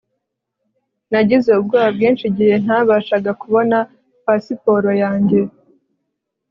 Nagize ubwoba bwinshi igihe ntabashaga kubona pasiporo yanjye